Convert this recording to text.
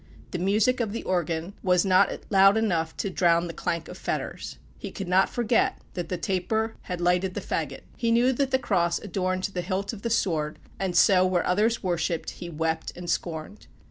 The music of the organ was as not loud enough to drown the clank of fetters. He could not forget that the taper had lighted the fagot. He knew that the cross adorned the hilt of the sword, and so where others worshiped, he wept and scorned.